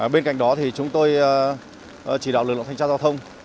bên cạnh đó thì chúng tôi chỉ đạo lực lượng thanh tra giao thông